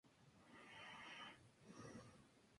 Está ubicado en el centro histórico de Lima.